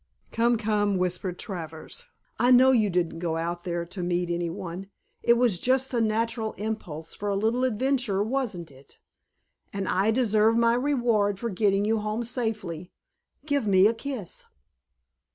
"Come come," whispered Travers. "I know you didn't go out there to meet any one; it was just a natural impulse for a little adventure, wasn't it? And I deserve my reward for getting you home safely. Give me a kiss."